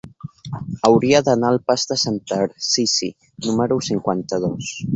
Hauria d'anar al pas de Sant Tarsici número cinquanta-dos.